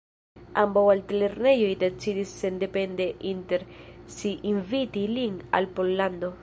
Ambaŭ altlernejoj decidis sendepende inter si inviti lin al Pollando.